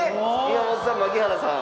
宮本さん槙原さん？